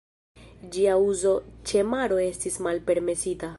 Ĝia uzo ĉe maro estis malpermesita.